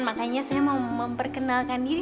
makanya saya mau memperkenalkan diri